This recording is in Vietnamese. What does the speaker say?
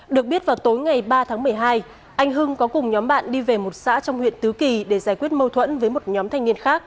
được biết vào tối ngày ba tháng một mươi hai anh hưng có cùng nhóm bạn đi về một xã trong huyện tứ kỳ để giải quyết mâu thuẫn với một nhóm thanh niên khác